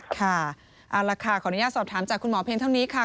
ค่ะเอาละค่ะขออนุญาตสอบถามจากคุณหมอเพียงเท่านี้ค่ะ